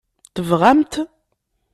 Tebɣam-t?